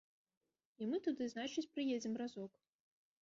І мы туды, значыць, прыедзем разок.